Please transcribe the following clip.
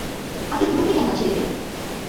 আপনি পুরোপুরি গান কেন ছেড়ে দিলেন?